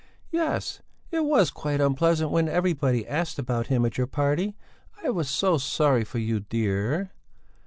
"Yes; it was quite unpleasant when everybody asked about him at your party. I was so sorry for you, dear...."